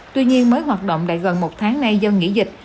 tuy nhiên mới hoạt động lại gần một tháng nay do nghỉ dịch